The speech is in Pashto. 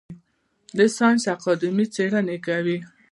د ساینس اکاډمي څیړنې کوي؟